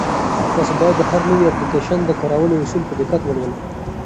تاسو باید د هر نوي اپلیکیشن د کارولو اصول په دقت ولولئ.